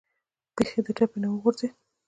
بیخي د ټپې نه و غورځېد.